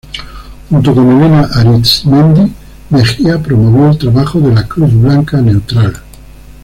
Junto con Elena Arizmendi Mejía, promovió el trabajo de La Cruz Blanca Neutral.